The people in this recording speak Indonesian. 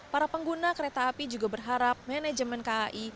para pengguna kereta api juga berharap manajemen kai